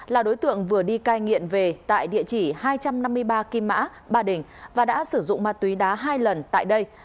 là đối tượng vừa đi cai nghiện về tại địa chỉ hai trăm năm mươi ba kim mã ba đình và đã sử dụng ma túy đá hai lần tại đây